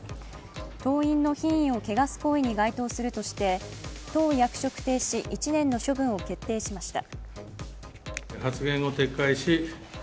党員の品位をけがす行為に該当するとして党役職停止１年の処分を決定しました。